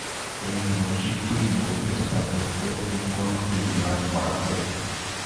এই মসজিদটি মুঘল স্থাপত্য অনুকরণে নির্মাণ করা হয়েছে।